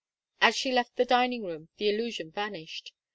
As she left the dining room the illusion vanished.